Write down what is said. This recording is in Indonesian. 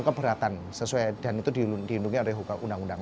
keberatan sesuai dan itu dilindungi oleh hukum undang undang